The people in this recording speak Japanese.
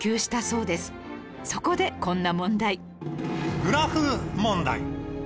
そこでこんな問題